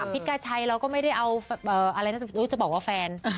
พิษกาชัยเราก็ไม่ได้เอาอะไรนะรู้จะบอกว่าแฟน